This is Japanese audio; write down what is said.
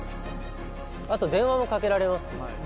あと電話もかけられますね